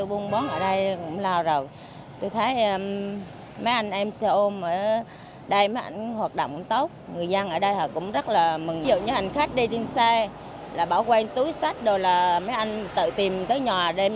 ví dụ như hành khách đi điên xe bảo quen túi sách mấy anh tự tìm tới nhà đêm